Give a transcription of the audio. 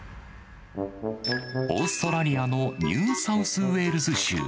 オーストラリアのニューサウスウェールズ州。